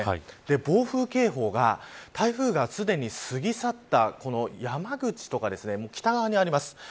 暴風警報が台風がすでに過ぎ去ったこの山口とか北側にあります。